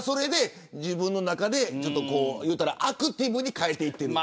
自分の中でアクティブに変えていってる。